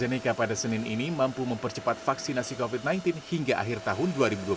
jeneka pada senin ini mampu mempercepat vaksinasi covid sembilan belas hingga akhir tahun dua ribu dua puluh satu